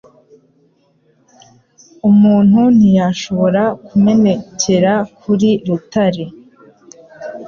umuntu ntiyashobora kumenekera kuri Rutare.